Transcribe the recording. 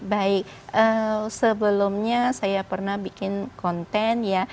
baik sebelumnya saya pernah bikin konten ya